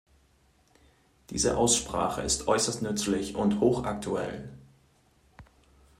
Diese Aussprache ist äußerst nützlich und hochaktuell.